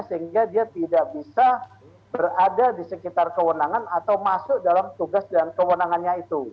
sehingga dia tidak bisa berada di sekitar kewenangan atau masuk dalam tugas dan kewenangannya itu